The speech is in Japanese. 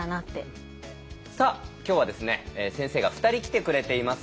さあ今日は先生が２人来てくれています。